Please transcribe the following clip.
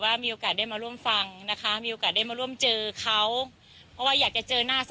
อะไรนะไข้อะไรนะ